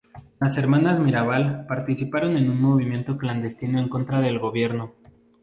Las Hermanas Mirabal participaron en un movimiento clandestino en contra del gobierno.